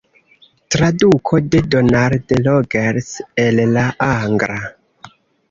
Traduko de Donald Rogers el la angla.